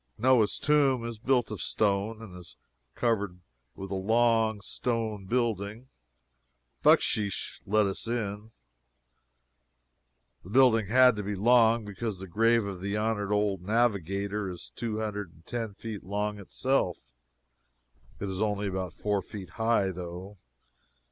Noah's tomb is built of stone, and is covered with a long stone building. Bucksheesh let us in. The building had to be long, because the grave of the honored old navigator is two hundred and ten feet long itself! It is only about four feet high, though.